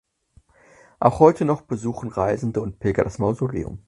Auch heute noch besuchen Reisende und Pilger das Mausoleum.